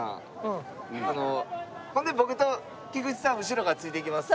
ほんで僕と菊池さん後ろからついていきます。